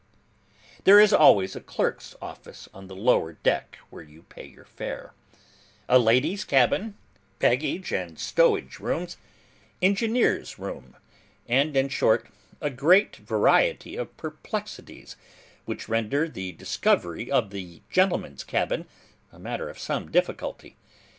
There is always a clerk's office on the lower deck, where you pay your fare; a ladies' cabin; baggage and stowage rooms; engineer's room; and in short a great variety of perplexities which render the discovery of the gentlemen's cabin, a matter of some difficulty.